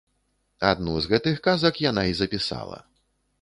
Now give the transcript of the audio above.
Адну з гэтых казак яна і запісала.